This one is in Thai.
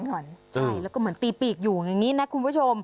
ใช่แล้วก็เหมือนตีปีกอยู่อย่างนี้นะคุณผู้ชม